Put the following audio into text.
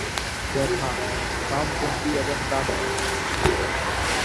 যথা: বামপন্থী এবং ডানপন্থী।